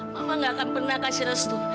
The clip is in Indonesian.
mama gak akan pernah kasih restu